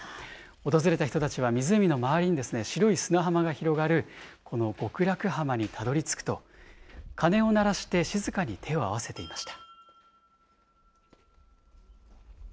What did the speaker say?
訪れた人たちは湖の周りに白い砂浜が広がる極楽浜にたどり着くと、鐘を鳴らして、静かに手を合わせていました。